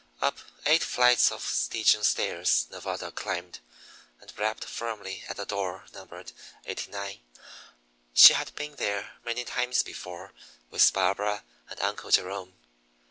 Up eight flights of Stygian stairs Nevada climbed, and rapped firmly at the door numbered "89." She had been there many times before, with Barbara and Uncle Jerome.